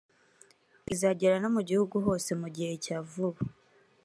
izagera no mu gihugu hose mu gihe cya vuba